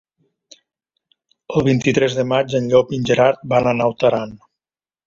El vint-i-tres de maig en Llop i en Gerard van a Naut Aran.